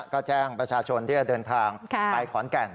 ก็แจ้งประชาชนที่จะเดินทางไปขอนแก่น